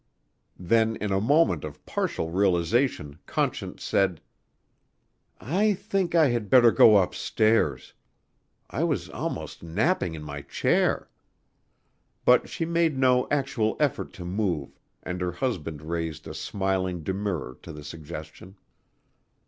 Then in a moment of partial realization, Conscience said: "I think I had better go upstairs. I was almost napping in my chair." But she made no actual effort to move and her husband raised a smiling demurrer to the suggestion.